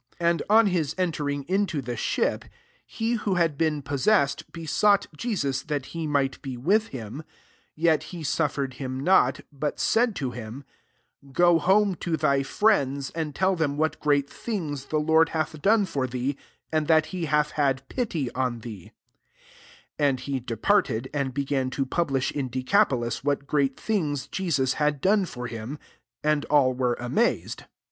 18 And on his entering iiiti| the ship, he who had been poa« sessed, besought Jeaua that hm might be with him : 19 yet h§ suffered him not; but said to hii^ " Go home to thy friends, ana tell them what great things th& Lord hath done for thee, ara that he hath had pity on thecu^ 20 And he departed, and b^ gan to publish in Decapo^ what great things Jesus l^jf done for him : and all wcty amazed.